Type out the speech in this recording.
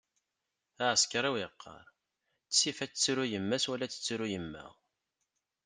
Aεsekriw yeqqar: ttif ad tettru yemma-s wala ad tettru yemma.